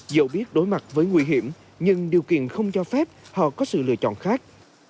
dẫu biết đối mặt với nguy hiểm nhưng điều kiện không cho phép họ có sự lựa chọn khác